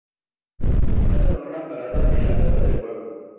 Cuenta con una parada en la plaza del pueblo.